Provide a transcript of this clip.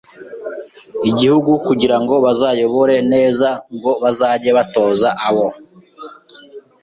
Igihugu kugira ngo bazayobore neza, ngo bazajye batoza abo